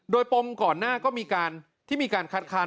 โดยปมก่อนหน้าก็มีการที่มีการคัดค้าน